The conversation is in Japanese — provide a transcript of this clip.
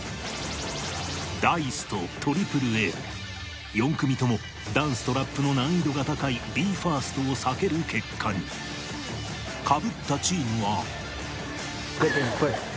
Ｄａ−ｉＣＥとＡＡＡだ４組ともダンスとラップの難易度が高いＢＥ：ＦＩＲＳＴを避ける結果にかぶったチームはじゃんけんポイ。